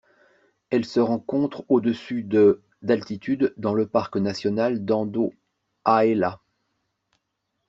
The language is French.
Elle se rencontre au-dessus de d'altitude dans le parc national d'Andohahela.